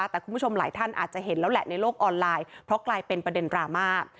แต่คุณผู้ชมหลายท่านอาจจะเห็นแล้วแหละในโลกออนไลน์เพราะกลายเป็นประเด็นดราม่า